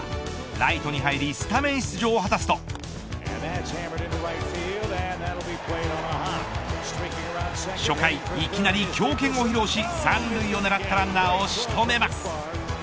ライトに入りスタメン出場を果たすと初回いきなり強肩を披露し３塁を狙ったランナーを仕留めます。